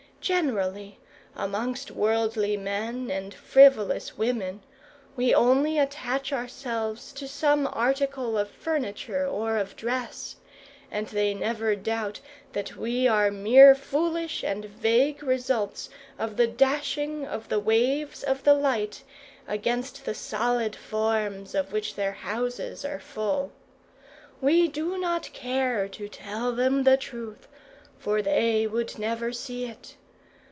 Generally, amongst worldly men and frivolous women, we only attach ourselves to some article of furniture or of dress; and they never doubt that we are mere foolish and vague results of the dashing of the waves of the light against the solid forms of which their houses are full. We do not care to tell them the truth, for they would never see it.